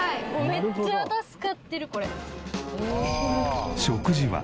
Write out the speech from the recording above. めっちゃ助かってるこれ。